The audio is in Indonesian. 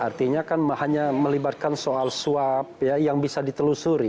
artinya kan hanya melibatkan soal suap yang bisa ditelusuri